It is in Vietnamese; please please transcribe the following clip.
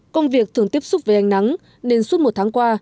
công việc thường tiếp xúc với ánh nắng nên suốt một tháng qua